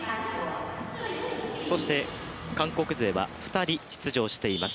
そして、韓国勢は２人出場しています。